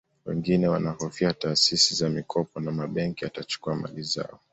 Wengine wanahofia taasisi za mikopo na mabenki yatachukua mali zao